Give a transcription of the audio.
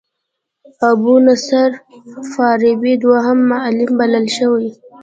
ابو نصر فارابي دوهم معلم بلل شوی.